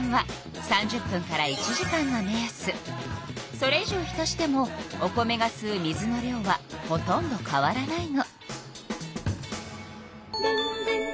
それ以上浸してもお米がすう水の量はほとんど変わらないの。